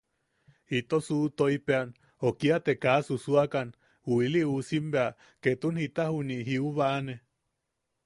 Ito suʼutoipean, o kia te kaa susuakan, u iliusim bea ketun jita juniʼi jiubane.